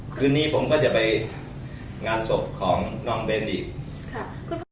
คืนนี้ผมก็จะไปงานศพของน้องเบนอีก